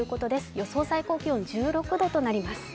予想最高気温１６度となります。